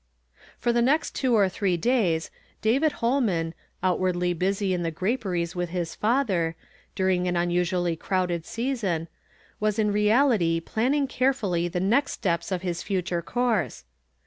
For the next two or three days, David Ilolmaii, outwardly busy in the graperies with his fatiier, during an unusually crowded season, was in real ity planning carefully the first steps of his future 132 YESTERDAY FRAMED IN TO DAY. coui se.